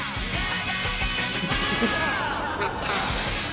決まった。